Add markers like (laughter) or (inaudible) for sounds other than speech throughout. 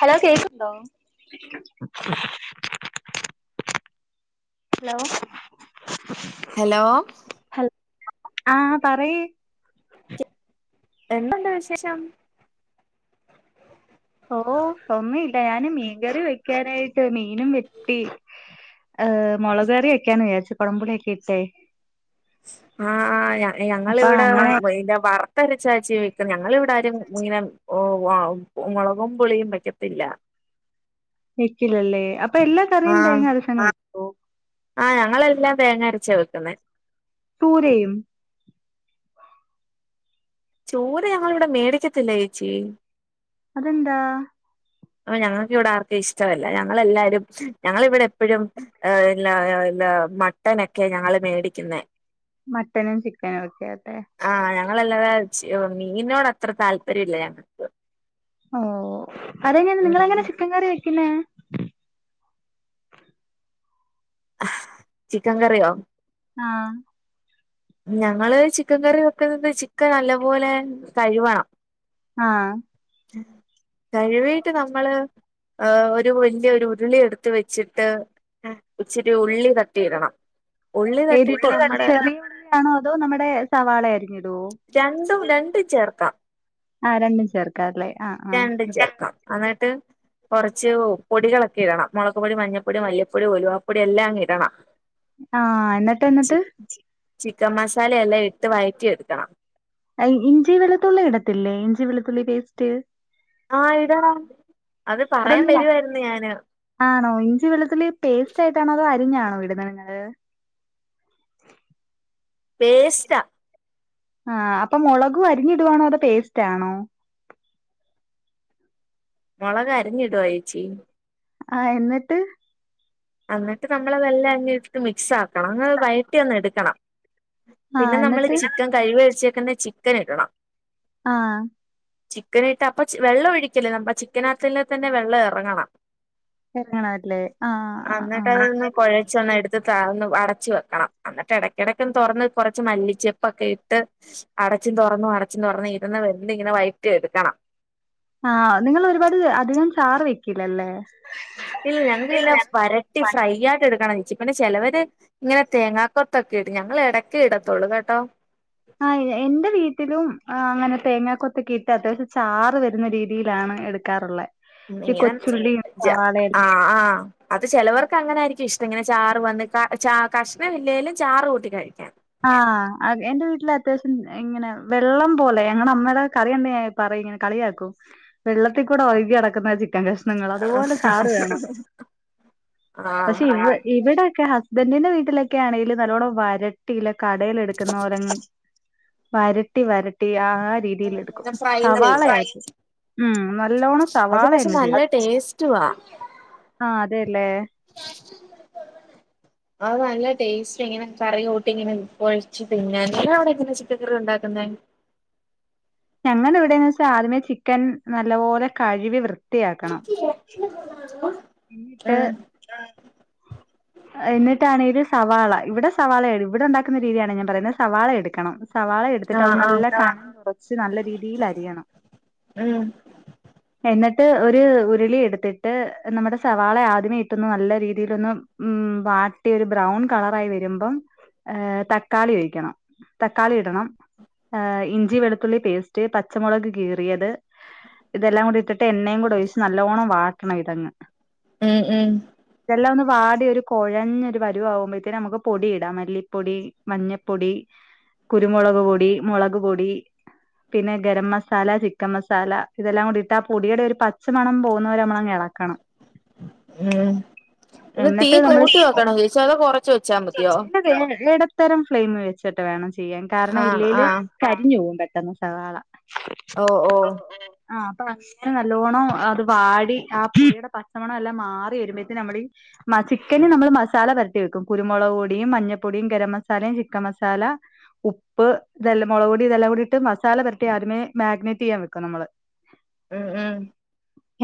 Hello കേക്ക്ണ്ടോ? Hello hello ഹൽ ആഹ് പറയ് എന്തൊണ്ട് വിശേഷം ഓ (unintelligible) ഞാന് മീൻകറി വെക്കാനായിട്ട് മീനും വെട്ടി ഏഹ് മുളക് കറി വെയക്കാന്ന് വിചാരിച്ചു കൊ ടമ്പുളിയൊക്കെ ഇട്ടേ ആഹ് അഹ് ഞ അപ്പൊ ഞങ്ങളിവിടെ അങ്ങനെ ഇന്റെ വറത്തരച്ചാച്ചി ഞങ്ങളിവിടാരും ഇങ്ങനെ ഒ വ മൊളകും പുളിയും വെക്കത്തില്ല വെക്കില്ലല്ലേ അപ്പൊ എല്ലാ കറിയും ആഹ് തേങ്ങ അരച്ചങ്ങ് വെക്കുവോ ആഹ് ഞങ്ങളെല്ലാം തേങ്ങ അരച്ച വെക്കുന്നെ തൂരയും? ചൂര ഞങ്ങളിവിടെ മേടിക്കത്തില്ല ചേച്ചി അതെന്താ? അത് ഞങ്ങൾക്കിവിടെ ആർക്കും ഇഷ്ടമല്ല ഞങ്ങളെല്ലാരും ഞങ്ങളിവിടെ എപ്പഴും ഇല്ല ഇല്ല മട്ടനൊക്കെയാ ഞങ്ങള് മേടിക്കുന്നെ മട്ടനും ചിക്കനും ഒക്കെയതെ ആഹ് ഞങ്ങളല്ലാതെ മീനോട് അത്ര താല്പര്യം ഇല്ല ഞങ്ങക്ക് ഓ അതെങ്ങനെ ഉം നിങ്ങളെങ്ങനെ ചിക്കൻ കറി വെക്കുന്നേ? ചിക്കൻ കറിയോ? ആഹ് ഞങ്ങള് ചിക്കൻ കറി വെക്കുന്നത് ചിക്കൻ നല്ലപോലെ കഴുവണം ആഹ് കഴിവീട്ട് നമ്മള് ആ ഒരു വല്യൊരു ഉരുളി എടുത്ത് വച്ചിട്ട് ഇച്ചിരി ഉള്ളി തട്ടിയിടണം ഉള്ളി ഏത് തട്ടിയിട്ട് നമ്മടെ ചെറിയുള്ളിയാണോ അതോ നമ്മടെ സവാളെ അരിഞ്ഞിടോ രണ്ടും രണ്ടും ചേർക്കാം ആഹ് രണ്ടും ചേർ ആക്കാറല്ലേ ആഹ് ആഹ് രണ്ടും ചേർക്കാം എന്നിട്ട് കുറച്ച് പൊടികളൊക്കെ ഇടണം മുളക് പൊടി മഞ്ഞൾപ്പൊടി മല്ലിപ്പൊടി ഉലുവാപ്പൊടി എല്ലാം അങ്ങ് ഇടണം ആഹ് എന്നിട്ട് ചി എന്നിട്ട് ചിക്കൻ മസാലയെല്ലാം ഇട്ട് വയറ്റി എടുക്കണം ഇഞ്ചി വെളുത്തുള്ളി ഇടത്തില്ലേ ഇഞ്ചി വെളുത്തുള്ളി പേസ്റ്റ് ആഹ് ഇടടാ അത് പറയാൻ വരുവായിരുന്നു ഞാന് ആണോ ഇഞ്ചി വെളുത്തുള്ളി പേസ്റ്റ് ആയിട്ടാണോ അതോ അരിഞ്ഞാണോ ഇടുന്നെ നിങ്ങള് പേസ്റ്റാ ആഹ് അപ്പൊ മുളക് അരിഞ്ഞിടുവാണോ അതോ പേസ്റ്റ് ആണോ മുളക് അരിഞ്ഞിടുവ ഏച്ചി ആഹ് എന്നിട്ട് അന്നിട്ട് നമ്മൾ വെല്ല അങ്ങ് ഇട്ട്ട് മിക്സ് ആക്കണം ഒന്ന് വയറ്റി ഒന്ന് എടുക്കണം ആ പിന്നെ എന്നിട്ട് നമ്മള് പിന്നെ ന- ചിക്കൻ കഴിവ്ഴിച്ചേക്കന്നെ ചിക്കൻ ഇടണം ആഹ് ചിക്കൻ ഇട്ട് അപ്പ വെള്ളം ഒഴിക്കല്ലേ നമ്മ ചിക്കനാത്തില്ലെ തന്നെ വെള്ളം എറങ്ങണം (unintelligible) ല്ലേ ആ എന്നിട് അതൊന്ന് കൊയച്ചൊന്നെട്ത്ത് താ അഒന്ന് അടച്ചു വെക്കണം എന്നിട്ട് ഇടയ്ക്കടക്ക തുറന്ന് കുറച്ച് മല്ലിച്ചെപ്പൊക്കെ ഇട്ട് അടച്ചും തൊറന്നും അടച്ചും തൊറന്നും ഇരുന്ന് വെന്ത് ഇങ്ങനെ വയറ്റി എടുക്കണം ആഹ് നിങ്ങൾ ഒരുപാട് അധികം ചാറ് വെക്കില്ലല്ലേ ഇല്ല ഞങ്ങക്ക് പിന്നെ വരട്ടി ഫ്രൈ ആയിട്ട് ഇടുക്കണം ഇച്ചി പിന്നെ ചെലവര് ഇങ്ങനെ തേങ്ങാക്കൊത്തൊക്കെ ഇടും ഞങ്ങൾ എടക്കെ ഇടത്തുള്ളു കേട്ടോ ആഹ് എന്റെ വീട്ടിലും അങ്ങനെ തേങ്ങക്കൊത്തക്കെ ഇട്ട് അത്യാവശ്യം ചാറ് വരുന്ന രീതിയിലാണ് എടു കർളേ മീനം ജ ആഹ് ആഹ് അത് ചെലവർക്ക് അങ്ങനൊയിരിക്കും ഇഷ്ടം ഇങ്ങനെ ചാറ് വന്ന് ചാ കഷ്ണം ഇല്ലെലും ചാറ് കൂട്ടി കഴിക്കാൻ ആഹ് എന്റെ വീട്ടില അത്യാവശ്യം ഇങ്ങനെ വെള്ളം പോലെ ഞങ്ങടെ അമ്മയുടെ കറി പറയും ഇങ്ങനെ കളിയാക്കും വെള്ളത്തി കൂടെ ഒഴുകിടക്കുന്ന ചി ക്കൻ കഷ്ണങ്ങൾ ആഹ് അതുപോലെ ചാറ് വേണം ആഹ് പക്ഷെ ഇവ ഇവിടെയൊക്കെ ഹസ്ബന്റിന്റെ വീട്ടിലൊക്കെ ആണെങ്കിൽ നല്ലോണം വര ട്ടീലെ കടേല് എടുക്കുന്നോരൊന്നും വരട്ടി വരട്ടി ആ രീതിൽ എടുക്കും അങ്ങനെ ഫ്രൈ സവാള ചെയ്ത് (unintelligible) ഉം നല്ലോണം അത് സവാള പക്ഷെ നല്ല (unintelligible) ടേസ്റ്റുവാ ആഹ് അതെല്ലേ (inaudible) അത് നല്ല ടേസ്റ്റാ ഇങ്ങനെ കറിയൂട്ടി ഇങ്ങനെ കൊഴച്ചു തിന്നാൻ നിങ്ങടവിടെ ങ്ങനെ ചിക്കൻകറി ഉണ്ടാക്കുന്നെ ഞങ്ങടെ ഇവിടെന്ന് വെച്ചാ ആദ്യമേ ചിക്കൻ നല്ലപോലെ കഴവി വൃത്തിയാക്കണം (unintelligible) എന്നിട്ട് ഉം എന്നിട്ടാണ് ഒര് സവാള ഇവിടെ സവാളേണ് ഇവിടെണ്ടാക്കുന്ന രീതിയാണ് ഞാൻ പറയുന്നെ സവാള എടുക്കണം സവാള എടുത്തിട്ട് അത് ആഹ് ആഹ് നല്ല കനം കുറച്ച് നല്ല രീതിയിലരിയണം ഉം എന്നിട്ട് ഒരു ഉരുളി എടുത്തിട്ട് നമ്മുടെ സവാള ആദ്യമേ ഇട്ടൊന്ന് നല്ല രീതിലൊന്ന് ഉം വാട്ടിയൊരു ബ്രൗൺ കളറായി വരുമ്പം ഏഹ് തക്കാളി ഒഴിക്കണം തക്കാളി ഇടണം ഇഞ്ചി വെളുത്തുള്ളി പേസ്റ്റ് പച്ചമുളക് കീറിയത് ഇതെല്ലാം കൂടി ഇട്ടിട്ട് എണ്ണയും കൂടെ ഒഴിച്ച് നല്ലോണ്ണം വാട്ടണം ഇതങ്ങ് ഉം, ഉം. ഇതെല്ലാം ഒന്ന് വാടി ഒരു കൊഴഞ്ഞൊരു പരുവാമ്പോഴ്ത്തേന് നമുക്ക് പൊടി ഇടാം മല്ലിപ്പൊടി. മഞ്ഞപ്പൊടി, കുരുമുളക്പൊടി, മുളക് പൊടി. പിന്നെ ഗരമസാല, ചിക്ക്കംമസാല ഇതെല്ലാം കൂടിയിട്ട് ആ പൊടിയുടെ ഒരു പച്ച. ച്ച മണം പോകുന്നവരെ നമ്മളങ് എളക്കണം. ഉം അല്ല തീ എന്നിട്ട് നമ്മള് കൂട്ടി വെക്കണോ ചേച്ചി അതോ കൊറച്ച് വെച്ചാ മതിയോ. (unintelligible) ഇടത്തരം ഫ്ലെയിമ് വെച്ചിട്ട് വേണം ചെയ്യാൻ കാരണം ആഹ് ഇല്ലേല് ആഹ് കരിഞ്ഞ് പോവും പെട്ടെന്ന് സവാള ഓഹ് ഓഹ് ആതെ ആഹ് പ. (inaudible) അങ്ങനെ നല്ലോണ്ണം അത് വാടി ആ പൊടിയുടെ പച്ചമണം എല്ലാം മാറി വരുമ്പഴ്ത്തേ നമ്മളീ. മഹ് ചിക്കന് നമ്മള് മസാല പരത്തി വെക്കും കുരുമുളക് പൊടിയും, മഞ്ഞപ്പൊടിയും, ഗര മസാലയും ചിക്കം മസാല. ഉപ്. ഉപ്പ് ഇതല്ല മുളകൊടി ഇതെല്ലാം കൂടി ഇട്ട് മസാല പെരട്ടി ആദ്യമേ മാഗ്നേറ്റ് ചെയ്യാൻ വെക്കും നമ്മള്. ഉം ഉം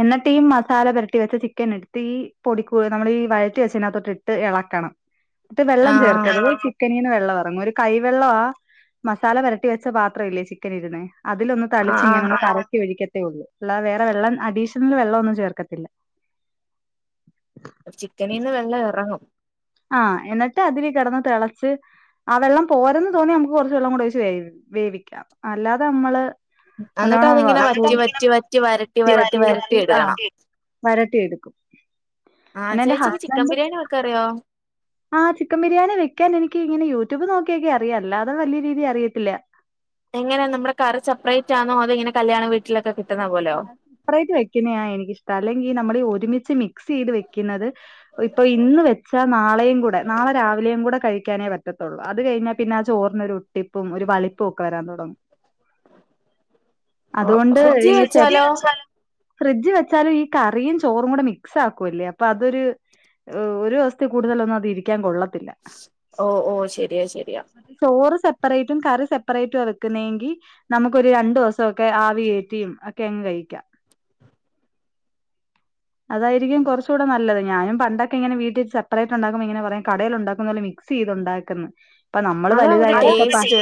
എന്നിട്ടീ മസാല പെരട്ടി വെച്ച ചിക്കന്ട്ത്തീ പൊടി പ്പൊ നമ്മളീ വഴറ്റി വെച്ചതിനാത്തൊട്ടിട്ട് എളക്കണം ന്ന്ട്ട് വെള്ളം ആഹ് ചേർക്കതരുത് ചി ക്കനീന്ന് വെള്ളം എറങ്ങും ഒരു കൈവെള്ളാ മസാല പെരട്ടിവെച്ച പാത്രല്ലേ ചിക്കൻര്ണ് അതിലൊന്ന് ആഹ് തളിച്ച്ങ്ങനെ ഒന്ന് ആഹ് കറക്കി ഒഴിക്കത്തേയൊള്ളൂ അല്ല വേറെ വെള്ളം അഡീഷണൽ വെള്ളൊന്നും ചേർക്കത്തില്ല ചിക്കനീന്ന് വെള്ളെറങ്ങും ആ ന്ന്ട്ട് അതില് കെടന്ന് തെളച്ച് ആ വെള്ളം പോരെന്ന് തോന്നിയ നമുക്ക് കുറച്ച് വെള്ളം കൂടി ഒഴിച്ച് വേ വേവിക്കാം അല്ലാതെ നമ്മള് എന്നിട്ട് നല്ലോണം അതിങ്ങനെ വറ്റി വറ്റി വറ്റി വരട്ടി വരട്ടി വരട്ടി എടുക്കണം (unintelligible) വരട്ടിയെടുക്കും ആ ചേച്ചിക്ക് ചിക്കം ബിരിയാണി വെക്കാറിയോ ആ ചിക്കം ബിരിയാണി വെക്കാനെനിക്ക് ങ്ങനെ യൂട്യൂബ് നോക്കിയൊക്കെ അറിയാം അല്ലാതെ വല്യേ രീതി അറിയത്തില്ല എങ്ങനെ നമ്മുടെ കറി സെപ്പറേറ്റാന്നോ അതോ ഇങ്ങനെ കല്ല്യാണ വീട്ടിലൊക്കെ കിട്ട് പ്പറേറ്റ് വെക്ക്ന്ന്യ എനിക്കിഷ്ടം അല്ലെങ്കി നമ്മളീ ഒരുമിച്ച് മി ക്സീത് വെക്ക്ന്നത് ഇപ്പൊ ഇന്ന് വെച്ചാ നാളേം കൂടെ നാളെ രാവിലേം കൂടെ കഴിക്കാനേ പറ്റ് റ്റത്തൊള്ളൂ അത് കഴിഞ്ഞാ പിന്നെ ആ ചോറിനൊരൊട്ടിപ്പും ഒരു വളിപ്പൊക്കെ വരാൻ തൊടങ്ങും ഓ ഫ്രിഡ്ജി വെച്ചാലോ ഫ്രിഡ്‌ജി വെച്ചാലും ഈ കറിയും ചോറും കൂടെ മിക്സാക്കു അല്ലേ അപ്പതൊര് ഹ് ഒരൂസ്ത്തി കൂടുതലൊന്നും അത് ഇരിക്കാൻ കൊള്ള ഓ ഓ ശെരിയാ ശെരിയാ ചോറ് സെപ്പറേറ്റും കറി സെപ്പറേറ്റ വെക്കുന്നെങ്കി നമുക്കൊരു രണ്ടുസൊക്കെ ആവികേ റ്റിയും ഒക്കങ്ങ് കഴിക്കാ അതായിരിക്കും കൊർച്ചൂടെ നല്ലത് ഞാനും പണ്ടൊക്കെ ഇങ്ങനെ വീട്ടി സെപ്പറേറ്റ് ണ്ടാക്കുമ്പോങ്ങനെ പറയും കടയിൽ ണ്ടാക്കുന്ന പോലെ മിക് ക്സീതുണ്ടാക്കെന്ന് ഇപ്പ നമ്മള് അതാ ഒരു വലുതായി അതൊക്കെ അ ടേസ്റ്റ്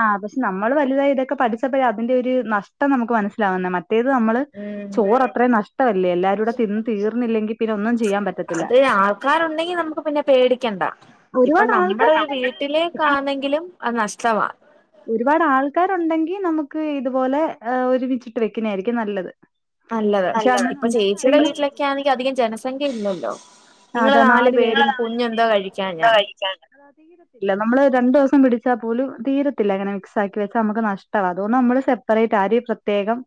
ആ പശെ നമ്മള് വലുതായി ഇതൊക്കെ പഠിച്ചപ്പഴാ അതിന്റെ ഒര് നഷ്ടം നമുക്ക് മനസ്സിലാവുന്നെ മറ്റേത് നമ്മള് ഉം ചോറത്രയും നഷ്ടവല്ലേ എല്ലാരൂടെ തിന്ന് തീർന്നില്ലെങ്കി പിന്നൊന്നും ചെയ്യാൻ പറ്റത്തി അത് ആൾക്കാരുണ്ടെങ്കി നമുക്ക് പിന്നെ പേടിക്കണ്ട ഇപ്പം ഒരുപാട് നമ്മടെ ഒരു ആൾക്കാരുണ്ടെങ്കിൽ വീട്ടിലേക്കാന്നെങ്കിലും അത് നഷ്ടവാ ഒരുപാട് ആൾക്കാരുണ്ടെങ്കി നമുക്ക് ഇതുപോലെ ഒരുമിച്ചിട്ട് വെക്കുന്നായിരിക്കും നല്ലത് നല്ലത് പക്ഷെ അങ്ങനെ ഇപ്പൊ ഉണ്ടാക്കാൻ ചേച്ചീടെ അറിയുന്നവരായിരിക്കണം വീട്ടിലൊക്കാന്നെങ്കി അധികം ജനസംഖ്യല്ലല്ലോ നിങ്ങള് അതാ നാല് പേര് പേരും കുഞ്ഞെന്തോ കഴിക്കാനാ (unintelligible) ഇല്ല നമ്മള് രണ്ടുസം പിടിച്ചാ പോലും തീരത്തില്ല ഇങ്ങനെ മിക്സാക്കി വെച്ചാ നമുക്ക് നഷ്ടവാ അതോണ്ട് നമ്മള് സെപ് പ്പറേറ്റ് അരി പ്രത്യേകം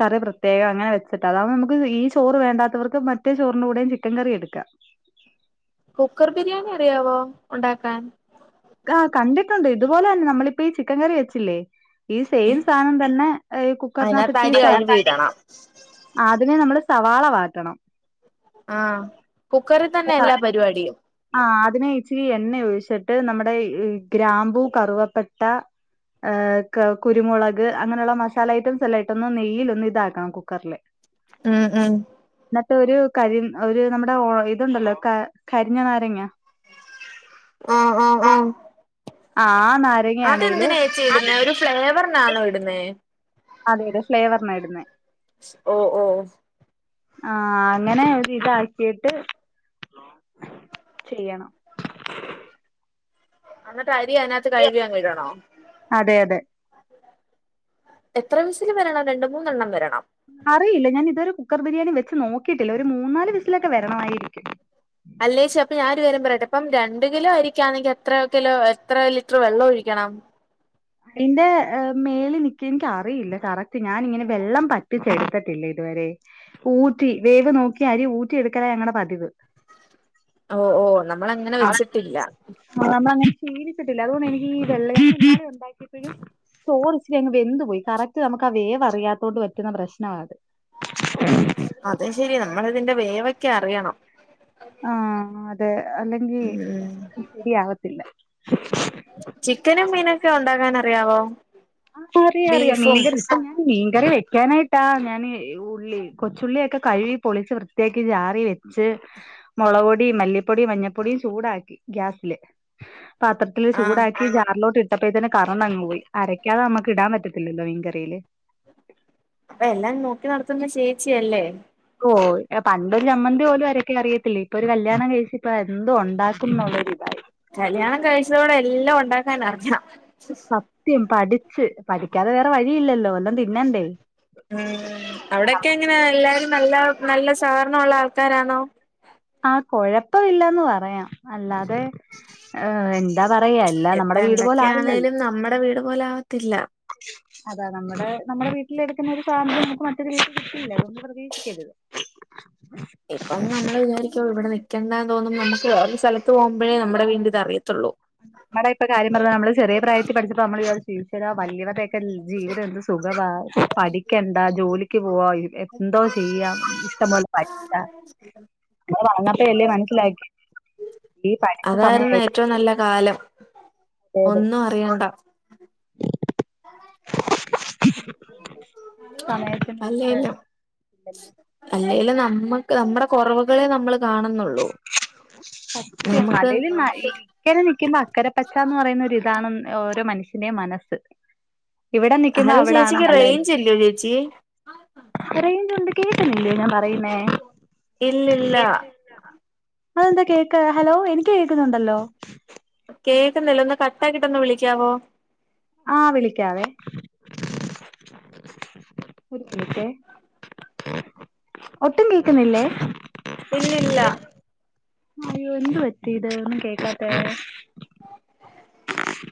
കറി പ്രത്യേകം അങ്ങനെ വെച്ചിട്ട് അതാവുമ്പോ നമുക്ക് ഈ ചോറ് വേണ്ടാത്തവർക്ക് മറ്റേ ചോറിന്റെ കൂടേം ചിക്കകറി എടുക്കാ കുക്കർ ബിരിയാണി അറിയാവോ ഒണ്ടാക്കാൻ കാ കണ്ടിട്ടുണ്ട് ഇതുപോലന്നെ നമ്മളിപ്പ ഈ ചിക്കങ്ങറി വെച്ചില്ലേ ഈ സെയിം സാനം തന്നെ ഈ അതിനകത്ത് കുക്കറിനാത്ത്ട്ടീ അരി സ കഴുവിയിടണം അതിന് നമ്മള് സവാള വാട്ടണം ആ കുക്കറി തന്നെ എല്ലാ പരിപാടിയും ആ അതിന് ഇച്ചിരി എണ്ണ ഒഴിച്ചിട്ട് നമ്മുടെ ഗ്രാമ്പൂ കറുവപ്പട്ട ഏ ക കുരുമുളക് അങ്ങനെയുള്ള മസാല ഐറ്റംസം എല്ലാം ഇട്ടൊന്ന് നെയ്യിലൊന്ന് ഇതാക്കണം കുക്കർല് ഉം ഉം ന്ന്ട്ടൊരു കരി ഒരു നമ്മുടെ ഇതുണ്ടല്ലോ കരിഞ്ഞ നാരങ്ങ ആ ആ ആ അ ആ നാ അതെന്തിനേച്ചി ഇട്ന്നേ ഒരു ഫ്ലേവറിനാണോ ഇടുന്നേ അതെ അതെ ഫ്ലേവറിനാ ഇട്ന്നെ ഓ ഓ ആ അങ്ങനെ ഒരിതാക്കീട്ട് ചെയ്യണം അന്നിട്ട് അരി അയിനാത്ത് കഴുകിയങ്ങ്ടണോ? അതെ അതെ എത്ര വിസില് വരണം രണ്ട് മൂന്നെണ്ണം വരണം അറിയില്ല ഞാനിത് വരെ കുക്കർ ബിരിയാണി വെച്ച് നോക്കീട്ടില്ല ഒര് മൂന്നാല് വിസിലൊക്കെ വരണയിരിക്കും അല്ലേച്ചി അപ്പൊ ഞാനൊരു കാര്യം പറയട്ടെ ഇപ്പം രണ്ട് കിലോ ആയിരിക്കാണെങ്കി എത്ര കിലോ എത്ര ലിറ്റർ വെള്ളം ഒഴിക്കണം? തിന്റെ മേളി നിക്കും ഇൻക്കറിയില്ല കറക്റ്റ് ഞാനിങ്ങനെ വെള്ളം പറ്റിച്ചെട്ത്തിട്ടില്ല ഇത് വരെ ഊറ്റി വേവ് നോക്കി അരി ഊറ്റി എട്ക്കലാ ഞങ്ങടെ പതിവ്. ഓഹ് ഓഹ് നമ്മളങ്ങനെ വെച്ചിട്ടില്ല ആഹ് നമ്മളങ്ങനെ ശീലിച്ച്ട്ടില്ല അതുകൊണ്ടെനിക്കീ വെള്ളരിക്കക്കറിയുണ്ടാ പ്പഴും ചോറിച്ചിരിയങ്ങ് വെന്ത് പോയി കറക്റ്റ് നമുക്കത് വേവറിയാത്തോണ്ട് പറ്റ്ന്ന പ്രശ്നാ അത് അത് ശരിയാ നമ്മളിതിന്റെ വേവൊക്കെ അറിയണം. ആഹ് അതെ അല്ലെങ്കി ഉം ശരിയാവത്തില്ല ചിക്കനും മീനൊക്കെ ഉണ്ടാക്കാനറിയാവോ? അറിയറിയാ മീൻ്റെ റസ് ആഹ് ഞാൻ മീൻകറി വെക്കാനായിട്ടാ ഞാന് ഉള്ളി കൊച്ചുള്ളിയൊക്കെ കഴുകി പൊളിച്ച് വൃ ത്ത്യാക്കിക്ക് ജാറി വെച്ച് മുളക്പൊടിം മല്ലിപ്പൊടിം മഞ്ഞപ്പൊടിം ചൂടാക്കി ഗ്യാസ്ല് പത്ര ത്തില് ആഹ് ചൂടാക്കി ജാറിലോട്ട് ഇട്ടപ്പോഴത്തിന് കറണ്ടങ് പോയി അരക്കാതെ നമുക്ക് ഇടാൻ പറ്റത്തില്ലല്ലോ മീൻ കറിയില് അപ്പ എല്ലാം നോക്കി നടത്തുന്ന് ചേച്ചിയല്ലേ ഓഹ് പണ്ടൊരു ചമ്മന്തി പോലും അരക്കാനറിയത്തില്ല ഇപ്പൊര് കല്യാണം കഴിച്ചപ്പ എന്തും ഒണ്ടാക്കുംന്നുള്ളര്തായി. കല്യാണം കഴിച്ചതോടെ എല്ലാം ഒണ്ടാക്കാൻ അറിയാ സത്യം പഠിച്ച് പഠിക്കാതെ വേറെ വഴിയില്ലല്ലോ വല്ലം തി ആഹ് അവിടൊക്കെങ്ങനാ എല്ലാരും നല്ല നല്ല സഹകര്ണൊള്ളാൾക്കാരാണോ? ആഹ് കൊഴപ്പവില്ലാന്ന് പറയാം അല്ലാതെ ഏഹ് എന്താ പറയാ എല്ലാം നമ്മടെ വീട് പോലാവില്ലല്ലോ നമ്മടെ വീട് പോലാവാൻ ത്തില്ല അതാ നമ്മടെ നമ്മടെ വീട്ടിലെടുക്കുന്ന ഒരു സ്വാതന്ത്ര്യം നമുക്ക് മറ്റൊരു വീട്ടി കിട്ടില്ല അതുകൊണ്ട് പ്രതീക്ഷിക്കര്ത് ഇപ്പം നമ്മള് ഇങ്ങനെ വിജാ രിക്കും ഇവടെ നിക്കേണ്ടാന്ന് തോന്ന്മ്പൊ നമുക്ക് വേറൊരു സ്ഥലത്ത് പോകുമ്പഴേ നമ്മുടെ വീടിൻ്റത് അറിയത്തൊള്ളൂ നമ്മടെയൊക്കെ കാര്യം പറഞ്ഞാ നമ്മള് ചെറിയ പ്രായത്തി പഠിച്ചപ്പൊ നമ്മള് വിചാരി ഈശ്യരാ വല്ല്യവരുടെയൊക്കെ ജീവിതം എന്ത് സുഖവാ പഠിക്കണ്ട ജോലിക്ക് പോവാ എന്തോ ചെയ്യാം ഇഷ്ടം പോലെ പഠിക്ക പിന്നെ വളർന്നപ്പയല്ലേ മനസ്സിലാ ഈ പഠിച്ച അതായിരുന്നു സമയായിര്ന്ന് ഏറ്റവും നല്ല കാലം ഏത് ഒന്നും ആഹ് അറിയണ്ട അല്ലേലും (unintelligible) അല്ലേലും നമ്മക്ക് നമ്മടെ വെബ കൊറവുകളെ നമ്മൾ കാണുന്നുള്ളൂ നമുക്ക് (unintelligible) ഇക്കരെ നിക്കുമ്പോ അക്കരപ്പച്ചാന്ന് പറയുന്നൊരു ഇതാണ് ഓരോ മനുഷ്യന്റെയും മനസ്സ് ഇവിടെ നിക്കുമ്പോ ഹലോ അവിട ആണ ചേച്ചിക്ക് നല്ല റേഞ്ച് ഇല്ലയോ ചേച്ചി റെയ്ജുണ്ട് കേക്ക്ന്നില്ലേ ഞാൻ പറയുന്നേ ഇല്ലില്ല അതെന്താ കേക്ക് ഹലോ എനിക്ക് കേൾക്കുന്നുണ്ടല്ലോ കേക്ക്ന്ന്ല്ല ഒന്ന് കട്ടാക്കിയിട്ട് ഒന്ന് വിളിക്കാവോ ആഹ് വിളിക്കാവേ ഒരു മിനിറ്റെ ഒട്ടും കേക്കുന്നില്ലേ ഇല്ല ഇല്ല അയ്യോ എന്ത് പറ്റി ഇത് ഒന്നും കേക്കാത്തെ (inaudible)